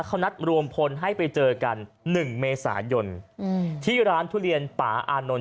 เขานัดรวมพลให้ไปเจอกัน๑เมษายนที่ร้านทุเรียนป่าอานนท์